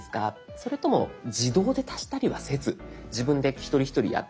それとも「自動で足したりはせず自分で一人一人やってく」。